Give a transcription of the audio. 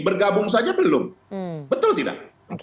bergabung saja belum betul tidak